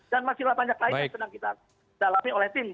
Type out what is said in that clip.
dan masih ada pancak lain yang sedang kita dalami oleh tim